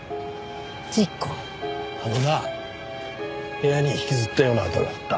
あのな部屋に引きずったような跡があった。